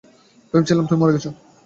ভেবেছিলাম তুমি মরে গেছো।